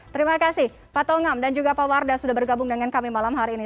terima kasih pak tongam dan juga pak wardah sudah bergabung dengan kami malam hari ini